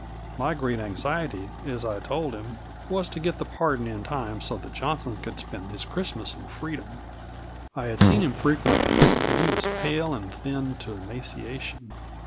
My great anxiety, as I told him, was to get the pardon in time so that Johnson could spend his Christmas in freedom. I had seen him frequently, and he was pale and thin to emaciation.